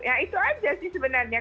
ya itu aja sih sebenarnya